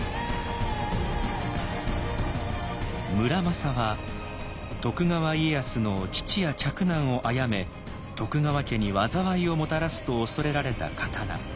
「村正」は徳川家康の父や嫡男を殺め徳川家に禍をもたらすと恐れられた刀。